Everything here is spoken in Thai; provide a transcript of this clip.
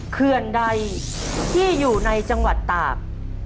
เขื่อนใดที่อยู่ในจังหวัดตาก